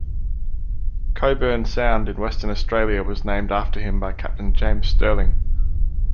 Cockburn Sound in Western Australia was named after him by Captain James Stirling.